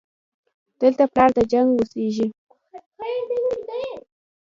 دلته پلار د جنګ اوسېږي